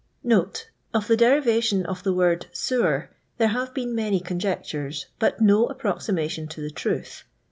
* Of the deriration of the word Sewer there hare been many conjectures, but no approximation to the truth.